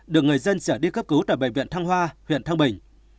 được người dân trở đi cấp cứu tại bệnh viện thăng hoa huyện thăng bình